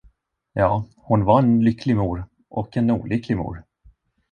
Ja, hon var en lycklig mor och en olycklig mor.